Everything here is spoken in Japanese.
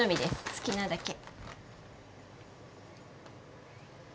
好きなだけ。